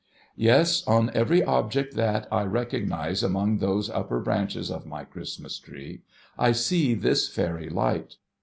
Yes, on every object that I recognise among those upper branches of my Christmas Tree, I see this fairy light